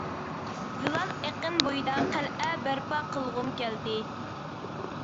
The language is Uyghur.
زىلال ئېقىن بويىدا قەلئە بەرپا قىلغۇم كەلدى.